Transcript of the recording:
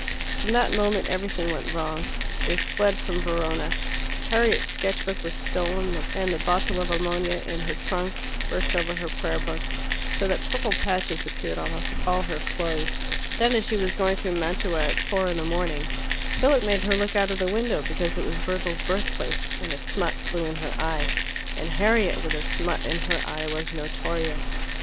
From that moment everything went wrong. They fled from Verona. Harriet's sketch book was stolen, and the bottle of ammonia in her trunk burst over her prayer book, so that purple patches appeared on all her clothes. Then, as she was going through Mantua at four in the morning, Philip made her look out of the window because it was Virgil's birthplace, and a smut flew in her eye, and Harriet with a smut in her eye was notorious.